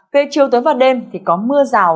về chiều tới vào đêm thì có mưa rào